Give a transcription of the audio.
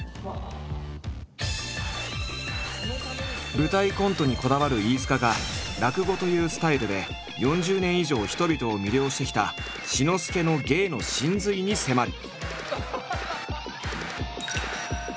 舞台コントにこだわる飯塚が落語というスタイルで４０年以上人々を魅了してきた志の輔の芸の神髄に迫る！